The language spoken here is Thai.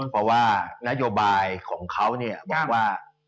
เพราะว่านโยบายของเขาบอกว่า